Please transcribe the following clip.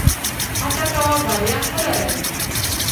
هڅه کوه بریا خپله راځي